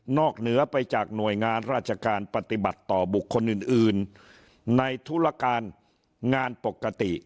เหนือไปจากหน่วยงานราชการปฏิบัติต่อบุคคลอื่นในธุรการงานปกติ